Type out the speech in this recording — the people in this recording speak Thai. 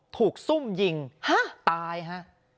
ซุ่มยิงตายฮะ